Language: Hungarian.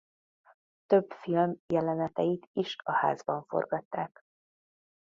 Több film jeleneteit is a házban forgatták.